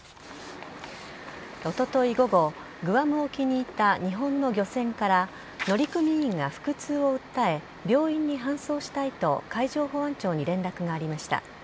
おととい午後グアム沖にいた日本の漁船から乗組員が腹痛を訴え病院に搬送したいと海上保安庁に連絡がありました。